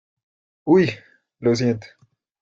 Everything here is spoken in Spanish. ¡ uy! lo siento.